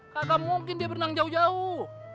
kagak mungkin dia berenang jauh jauh